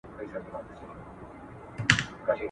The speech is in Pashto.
که يووالی نه وي؛ نو هېواد خرابيږي.